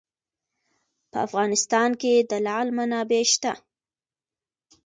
په افغانستان کې د لعل منابع شته.